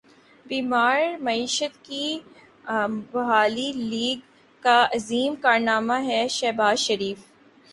بیمار معیشت کی بحالی لیگ کا عظیم کارنامہ ہے شہباز شریف